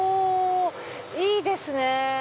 いいですね。